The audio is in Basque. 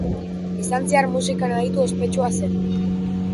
Bizantziar musikan aditu ospetsua zen.